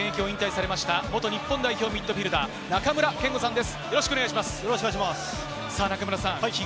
去年現役を引退されました、元日本代表ミッドフィルダー・中村憲剛さんです。